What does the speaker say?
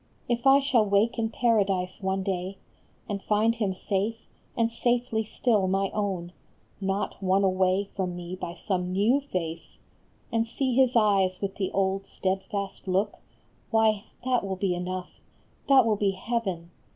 If I shall wake in Paradise one day And find him safe, and safely still my own, Not won away from me by some new face, And see his eyes with the old steadfast look, Why, that will be enough, that will be heaven